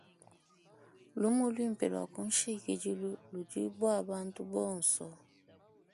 Lumu luimpe lua kunshikidilu ludi bua bantu bonso.